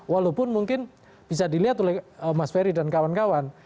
walaupun mungkin bisa dilihat oleh mas ferry dan kawan kawan